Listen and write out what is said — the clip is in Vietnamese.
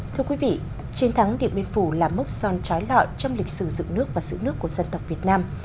thưa quý vị chiến thắng điệp biên phủ là mốc son trái lọ trong lịch sử dựng nước và sử nước của dân tộc việt nam